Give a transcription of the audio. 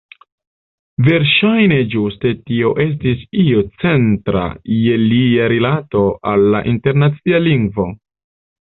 Verŝajne ĝuste tio estis io centra je lia rilato al la internacia lingvo.